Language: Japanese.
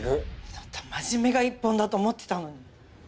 真面目が一本だと思ってたのに。